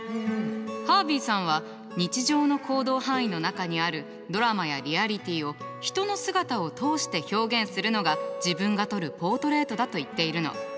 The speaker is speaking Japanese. ハービーさんは日常の行動範囲の中にあるドラマやリアリティを人の姿を通して表現するのが自分が撮るポートレートだと言っているの。